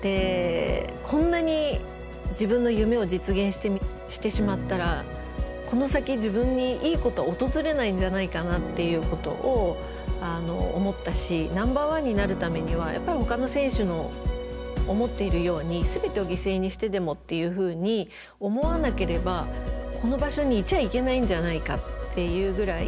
こんなに自分の夢を実現してしまったらこの先自分にいいことは訪れないんじゃないかなっていうことを思ったしナンバーワンになるためにはやっぱりほかの選手の思っているように全てを犠牲にしてでもっていうふうに思わなければこの場所に居ちゃいけないんじゃないかっていうぐらい